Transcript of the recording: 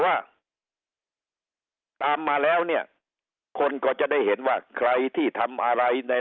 ว่าตามมาแล้วเนี่ยคนก็จะได้เห็นว่าใครที่ทำอะไรใน